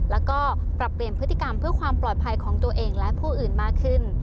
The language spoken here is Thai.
แล้วก็ปรับเปลี่ยนพฤติกรรมเพื่อความปลอดภัยของตัวเองและผู้อื่นมากขึ้น